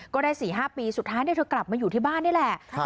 ก็ได้๔๕ปีสุดท้ายเธอกลับมาอยู่ที่บ้านนี่แหละ